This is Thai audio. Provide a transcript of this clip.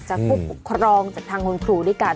จากผู้ครองจากทางคนครูด้วยกัน